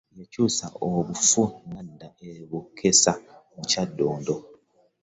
Yakyusa obuwufu n’adda e Bukesa mu Kyaddondo.